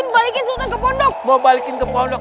mungkin balikin sultan ke pondok